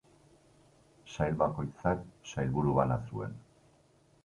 Sail bakoitzak sailburu bana zuen.